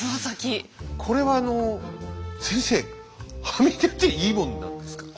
これはあの先生はみ出ていいもんなんですか？